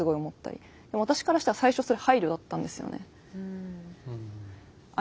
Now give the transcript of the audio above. でも私からしたら最初それ配慮だったんですよね。